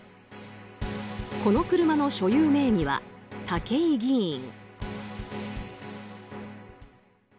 この車の所有名義は武井議員。